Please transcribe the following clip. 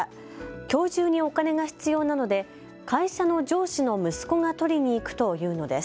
きょう中にお金が必要なので会社の上司の息子が取りに行くと言うのです。